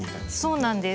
そうなんです。